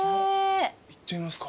行ってみますか。